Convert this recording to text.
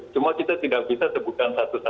cuma kita tidak bisa sebutkan satu satu